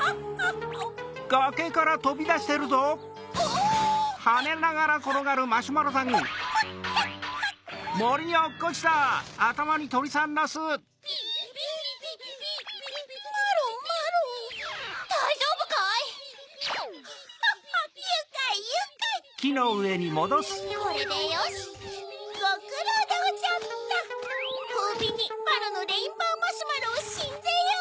ほうびにまろのレインボーマシュマロをしんぜよう。